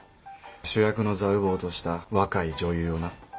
主役の座奪うとした若い女優をな。